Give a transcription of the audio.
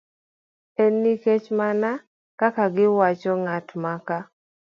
En nikech, mana kaka giwacho, ng'ato ka